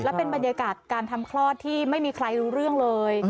เป็นบรรยากาศการทำคลอดที่ไม่มีใครรู้เรื่องเลย